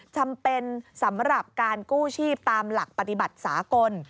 จำเป็นสำหรับการกู้ชีพตามหลักปฏิบัติสากล